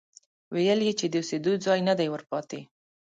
ويل يې چې د اوسېدو ځای نه دی ورپاتې،